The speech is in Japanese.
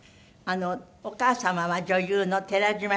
お母様は女優の寺島しのぶさん。